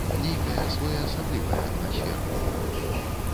Нейкая своеасаблівая атмасфера была.